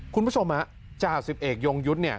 คุณผู้ชมฮะจ่าสิบเอกยงยุทธ์เนี่ย